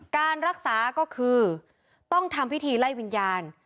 การรักษาก็คือต้องทำพิธีไล่วิญญาณ